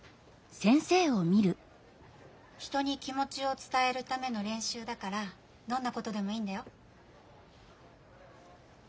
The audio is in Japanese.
人に気もちをつたえるためのれんしゅうだからどんなことでもいいんだよ。